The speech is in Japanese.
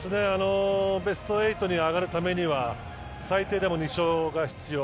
ベスト８に上がるためには最低でも２勝が必要。